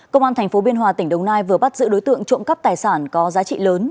công an tp biên hòa tỉnh đồng nai vừa bắt giữ đối tượng trộm cắp tài sản có giá trị lớn